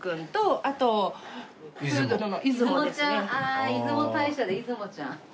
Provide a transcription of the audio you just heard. ああ出雲大社でいずもちゃん。